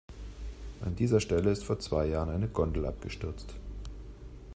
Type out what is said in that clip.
An dieser Stelle ist vor zwei Jahren eine Gondel abgestürzt.